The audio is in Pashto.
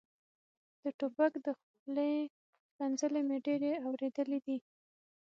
د ټوپک د خولې ښکنځلې مې ډېرې اورېدلې دي.